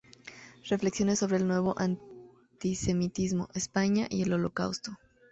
Reflexiones sobre el nuevo antisemitismo"; "España y el Holocausto.